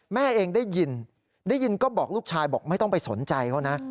แม่เองได้ยินได้ยินก็บอกลูกชายบอกไม่ต้องไปสนใจเขานะ